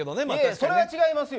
それは違いますよ。